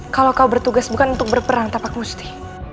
kalau kau bertugas bukan untuk berperang tapak musti